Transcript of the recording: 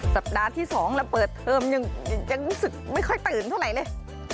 สัปดาห์ที่๒เราเปิดเทอมยังรู้สึกไม่ค่อยตื่นเท่าไหร่เลย